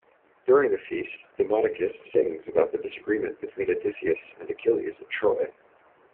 During the feast Demodocus sings about the disagreement between Odysseus and Achilles at Troy.